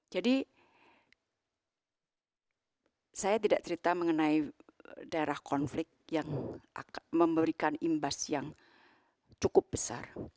jadi saya tidak cerita mengenai daerah konflik yang memberikan imbas yang cukup besar